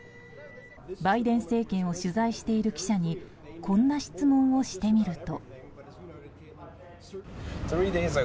バイデン政権を取材している記者にこんな質問をしてみると。